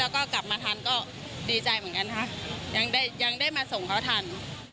แล้วก็กลับมาทันก็ดีใจเหมือนกันยังได้มะส่งเขาถัน